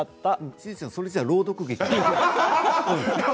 しずちゃんそれじゃあ朗読劇。